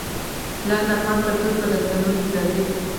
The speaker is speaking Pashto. لعل د افغان کلتور په داستانونو کې راځي.